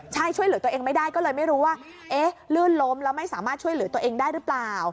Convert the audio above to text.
ใช่ช่วยเหลือตัวเองไม่ได้ก็เลยไม่รู้ว่าเอ๊ะลื่นล้มแล้วไม่สามารถช่วยเหลือตัวเองได้หรือเปล่า